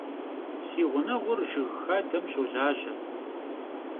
Си гъунэгъур жыг хадэм щолажьэ.